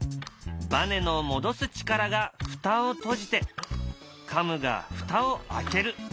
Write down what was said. ばねの戻す力が蓋を閉じてカムが蓋を開ける。